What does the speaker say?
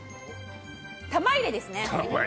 玉入れですね。